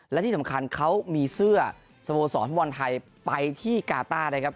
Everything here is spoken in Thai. และที่สำคัญเขามีเสื้อสโมสรฟุตบอลไทยไปที่กาต้านะครับ